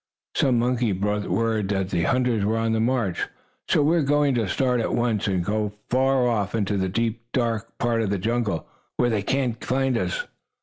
Some monkeys brought word that the hunters were on the march. So we are going to start at once and go afar off, into a deep, dark part of the jungle, where they cannot find us."